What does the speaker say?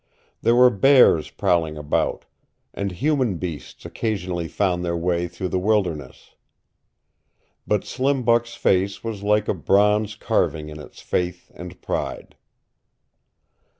There were bears prowling about. And human beasts occasionally found their way through the wilderness. But Slim Buck's face was like a bronze carving in its faith and pride.